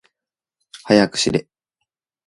はやくしれ。